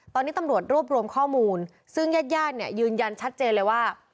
ตอนนี้ตำรวจรวบรวมข้อมูลซึ่งยัดย่านยืนยันชัดเจนเลยว่า